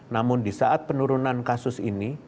namun di saat penurunan kasus ini